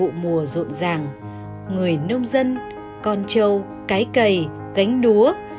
tươi vui của một vụ mùa rộn ràng người nông dân con trâu cái cầy gánh đúa